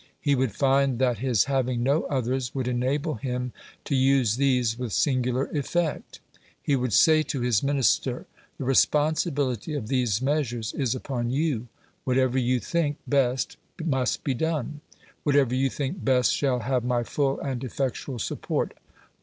He would find that his having no others would enable him to use these with singular effect. He would say to his Minister: "The responsibility of these measures is upon you. Whatever you think best must be done. Whatever you think best shall have my full and effectual support.